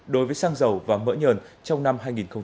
đối với xăng dầu và mỡ nhờn trong năm hai nghìn hai mươi